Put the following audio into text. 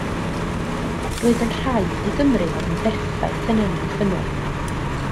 Roedd yn rhaid i Gymru fod yn berffaith yn amddiffynnol.